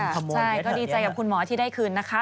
ใช่ก็ดีใจกับคุณหมอที่ได้คืนนะคะ